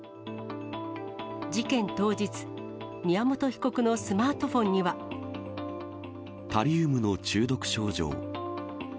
事件当日、タリウムの中毒症状。